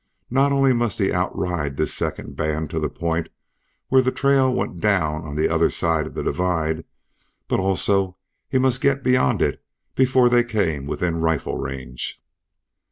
Not only must he outride this second band to the point where the trail went down on the other side of the divide, but also he must get beyond it before they came within rifle range.